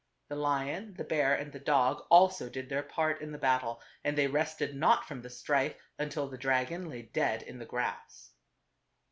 The lion, the bear and the dog also did their part in the battle and they rested not from the strife until the dragon lay dead in the grass.